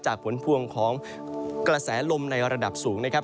ผลพวงของกระแสลมในระดับสูงนะครับ